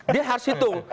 dia harus hitung